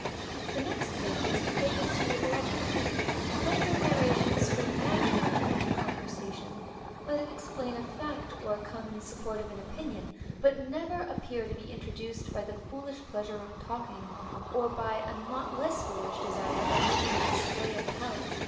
The next thing is to take a suitable opportunity. Let your narration spring naturally from the conversation; let it explain a fact, or come in support of an opinion, but let it never appear to be introduced by the foolish pleasure of talking, or by a not less foolish desire of making a display of talent.